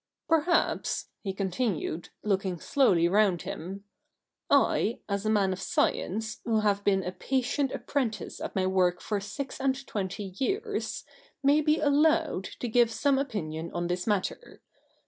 'Perhaps,' he continued, looking slowly round him, ' I, as a man of science, who have been a patient ap prentice at my work for six and twenty years, may be allowed to give some opinion on this matter.